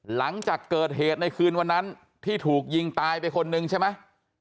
หลังจากเกิดเหตุในคืนวันนั้นที่ถูกยิงตายไปคนนึงใช่ไหม